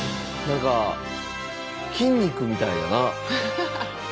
何か筋肉みたいやな。